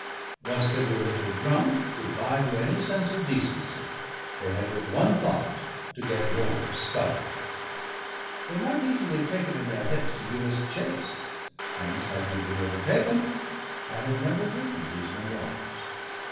Once they were a little drunk, good bye to any sense or decency; they had but the one thought, to get more scaura. They might easily take it in their heads to give us chase, and had we been overtaken, I had never written these memoirs.